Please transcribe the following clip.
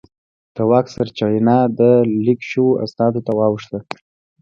د واک سرچینه د لیک شوو اسنادو ته واوښته.